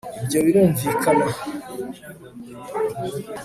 ibyo birumvikana